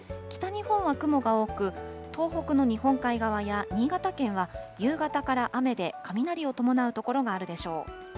北日本は雲が多く、東北の日本海側や新潟県は夕方から雨で、雷を伴う所があるでしょう。